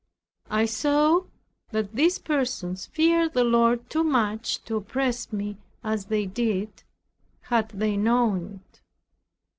I saw that these persons feared the Lord too much to oppress me as they did, had they known it.